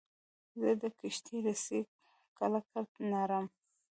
زه د کښتۍ رسۍ کلکه تړم.